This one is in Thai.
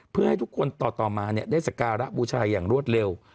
เพื่อให้ทุกคนต่อมาได้สการะบูชาอย่างรวดเร็ว